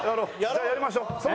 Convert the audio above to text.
じゃあやりましょう！